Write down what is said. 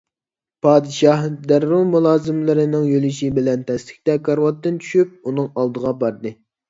پادىشاھ دەررۇ مۇلازىملىرىنىڭ يۆلىشى بىلەن تەسلىكتە كارىۋاتتىن چۈشۈپ ئۇنىڭ ئالدىغا باردى.